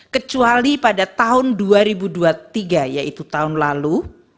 kecuali pada tahun dua ribu dua puluh tiga yaitu tahun lalu